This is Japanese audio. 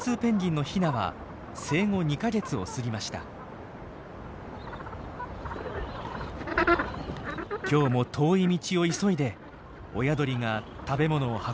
今日も遠い道を急いで親鳥が食べ物を運んできます。